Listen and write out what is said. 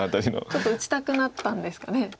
ちょっと打ちたくなったんですかね。